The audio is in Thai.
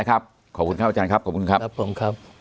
ครับคุณครับ